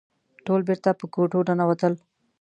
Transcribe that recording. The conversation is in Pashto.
ټول بېرته په کوټو ننوتل.